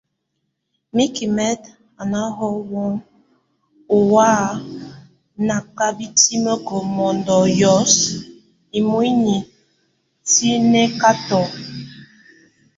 Mikimek á naho wɔn ó hʼ a nakabitime mondo yos, imuínyi tiŋékato.